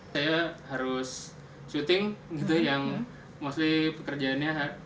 saya harus syuting gitu yang maksudnya pekerjaannya